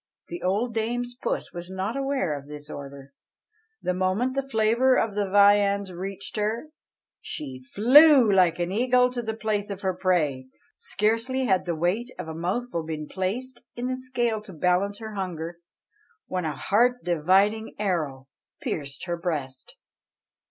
The old dame's puss was not aware of this order. The moment the flavour of the viands reached her, she flew like an eagle to the place of her prey. Scarcely had the weight of a mouthful been placed in the scale to balance her hunger, when a heart dividing arrow pierced her breast.